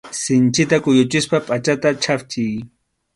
Sinchita kuyuchispa pʼachata chhapchiy.